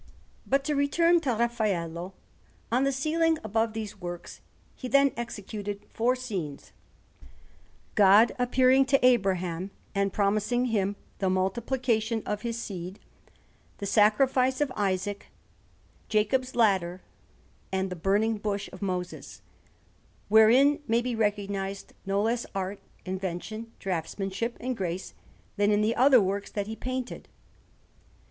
But to return to Raffaello; on the ceiling above these works, he then executed four scenes, God appearing to Abraham and promising him the multiplication of his seed, the Sacrifice of Isaac, Jacob's Ladder, and the Burning Bush of Moses: wherein may be recognized no less art, invention, draughtsmanship, and grace, than in the other works that he painted.